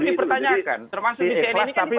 ini dipertanyakan termasuk di cni ini kan